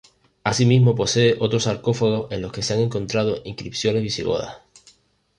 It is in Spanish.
Asimismo posee otros sarcófagos en los que se han encontrado inscripciones visigodas.